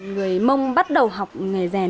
người mông bắt đầu học nghề rèn